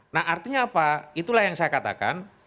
nah artinya apa itulah yang saya katakan